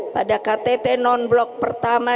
pada ktt non blok pertama